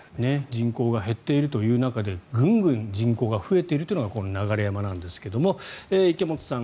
人口が減っているという中でグングン人口が増えているのがこの流山なんですが池本さん